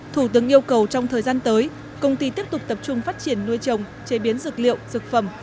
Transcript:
thủ tướng yêu cầu trong thời gian tới công ty tiếp tục tập trung phát triển nuôi trồng chế biến dược liệu dược phẩm